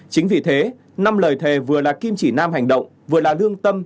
chính vì thế năm lời thề vừa là kim chỉ nam hành động vừa là lương tâm